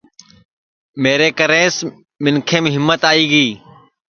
میرے کرنیس منکھیم ہیمت آئی گی